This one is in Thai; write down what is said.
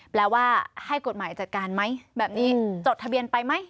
แปลว่าให้กฎหมายจัดการไหมแบบนี้จดทะเบียนไปไหม